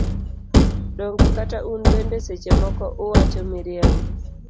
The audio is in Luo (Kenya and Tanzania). Donge kata un bende seche moko uwacho miriambo.